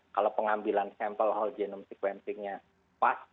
kalau pengambilan sampel whole genome sequencingnya pas